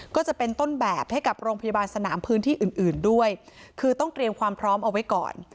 ก็จะเป็นต้นแบบให้กับโรงพยาบาลสนามพื้นที่อื่นอื่นด้วยคือต้องเตรียมความพร้อมเอาไว้ก่อน